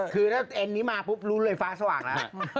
คือถ้าเอ็นนี้มาปุ๊บรู้เลยฟ้าสว่างแล้ว